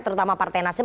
terutama partai nasdem